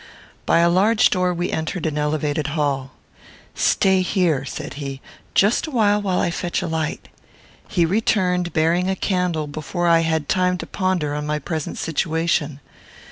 By a large door we entered an elevated hall. "Stay here," said he, "just while I fetch a light." He returned, bearing a candle, before I had time to ponder on my present situation.